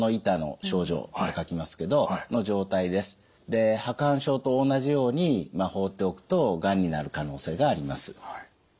で白板症と同じように放っておくとがんになる可能性があります。